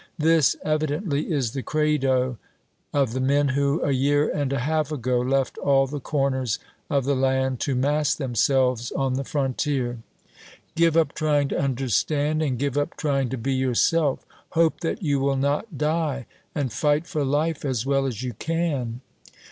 This, evidently, is the credo of the men who, a year and a half ago, left all the corners of the land to mass themselves on the frontier: Give up trying to understand, and give up trying to be yourself. Hope that you will not die, and fight for life as well as you can.